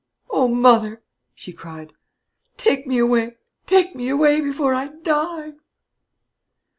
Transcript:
"O mother," she cried, "take me away! take me away, before I die!"